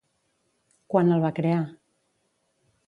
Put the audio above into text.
Quan el va crear?